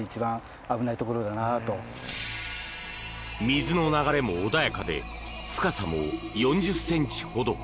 水の流れも穏やかで深さも４０ｃｍほど。